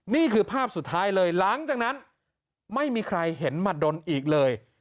นี่คือภาพสุดท้ายเลยหลังจากนั้นไม่มีใครเห็นมาดนอีกเลย